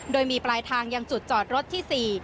โดยมีปลายทางยังจุดจอดรถที่๔